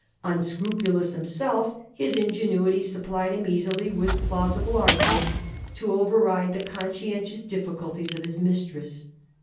Unscrupulous himself, his ingenuity supplied him easily with plausible argu ments to override the conscientious difficulties of his mistress.